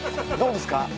どうですか？